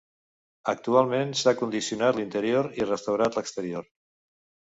Actualment s'ha condicionat l'interior i restaurat l'exterior.